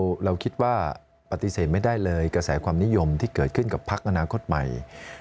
เราคิดว่าปฏิเสธไม่ได้เลยกระแสความนิยมที่เกิดขึ้นกับพักอนาคตใหม่